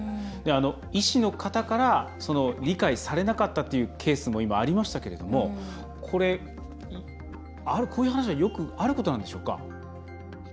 医師の方から理解されなかったというケースも今ありましたけれどもこういう話はよくあることなんでしょうか。